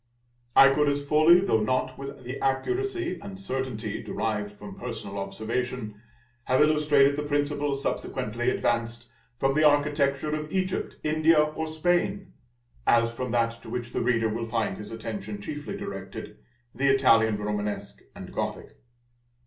I could as fully, though not with the accuracy and certainty derived from personal observation, have illustrated the principles subsequently advanced, from the architecture of Egypt, India, or Spain, as from that to which the reader will find his attention chiefly directed, the Italian Romanesque and Gothic.